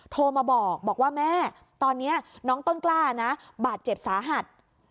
โทรมาบอกว่าแม่ตอนนี้น้องต้นกล้านะบาดเจ็บสาหัส